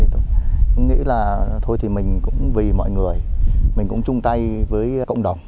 tôi nghĩ là thôi thì mình cũng vì mọi người mình cũng chung tay với cộng đồng